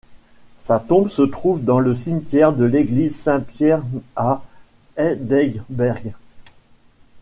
Sa tombe se trouve dans le cimetière de l'église Saint-Pierre à Heidelberg.